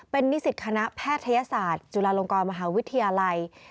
เป็นนิสิตคณะแพทยศาสตร์จุฬาลงกรมหาวิทยาลัย